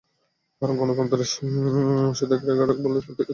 গণতন্ত্রের সূতিকাগার বলে তাদের কাছ থেকে আমাদের গণতন্ত্রের ধারণা নিতে হচ্ছে।